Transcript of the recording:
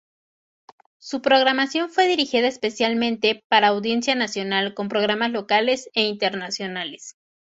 Su programación fue dirigida especialmente para audiencia nacional con programas locales e internacionales.